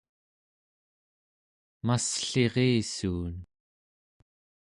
masslirissuun